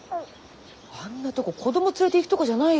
あんなとこ子供連れていくとこじゃないよ。